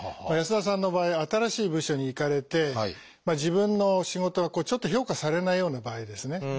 安田さんの場合は新しい部署に行かれて自分の仕事がちょっと評価されないような場合ですね。